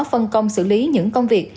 phân công xử lý những công việc